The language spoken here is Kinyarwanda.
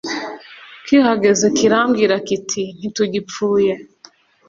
Kihageze kirabwira kiti”ntitugipfuye